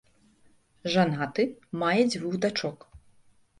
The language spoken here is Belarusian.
Жанаты, мае дзвюх дачок.